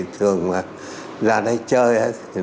thường ra đây chơi